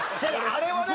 あれはね。